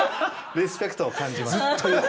リスペクトを感じます。